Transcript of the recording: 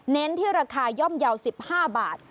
ที่ราคาย่อมเยาว์๑๕บาท